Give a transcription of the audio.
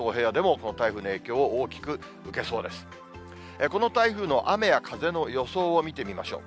この台風の雨や風の予想を見てみましょう。